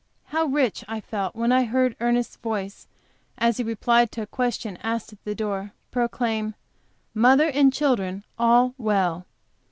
How rich I felt when I heard Ernest's voice, as he replied to a question asked at the door, proclaim, "Mother and children all well."